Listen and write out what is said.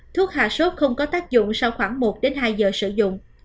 thuốc hạ sốt không có tác dụng sau khoảng một đến hai giờ sử dụng